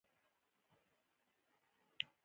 د قران کريم تلاوت